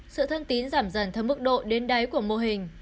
sự thân tín giảm dần theo mức độ đến đáy của mô hình